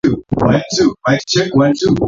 tafsiri mbili za Julius Kambarage Nyerere